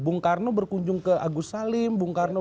bung karno berkunjung ke agus salim bung karno